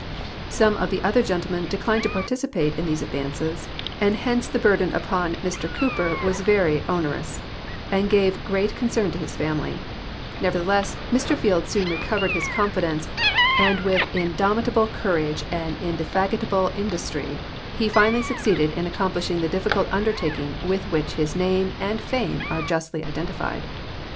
Some of the oth(;r gentlemen deelim. dto participate in these ad A'ances, and hence the burden U))on Mr Cooper was very onerous and gave great concern to his family. Nevertheless Mr Field soon recovered his confidence, and Avith indomitable courage no RUSSO AMERICAX TELEGRAPH PROJECT OF 1864 '67 and indefiitigable industry he finall}" succeeded in accomplish ing the difficult undertaking with which his name and fame are justly identified.